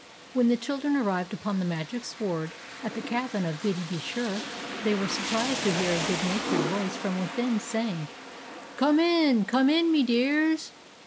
When the children arrived upon the magic sword, at the cabin of Biddy be sure, they were surprised to hear a good natured voice from within saying "Come in! Come in, me dears!"